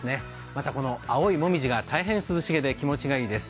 また青いもみじが大変涼しげで気持ちがいいです。